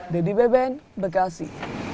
dedy beben bekasi